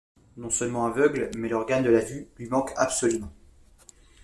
Non seulement aveugle, mais l’organe de la vue lui manque absolument.